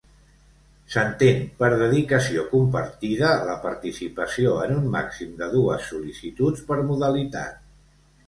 S'entén per dedicació compartida la participació en un màxim de dues sol·licituds per modalitat.